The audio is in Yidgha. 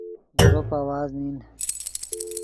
زروپ آواز نین